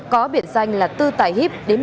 có biệt danh là tư tài hiếp